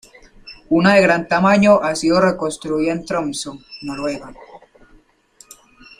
Una de gran tamaño ha sido reconstruida en Tromsø, Noruega.